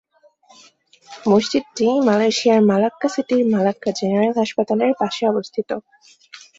মসজিদটি মালয়েশিয়ার মালাক্কা সিটির মালাক্কা জেনারেল হাসপাতালের পাশে অবস্থিত।